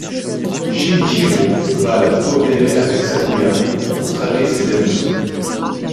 Shin’ichirô va alors coopérer avec Sakuya pour traquer ces démons.